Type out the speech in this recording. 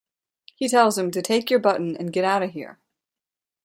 He tells him to "take your button and get outta here".